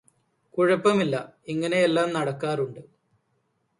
കുഴപ്പമില്ല ഇങ്ങനെയെല്ലാം നടക്കാറുണ്ട്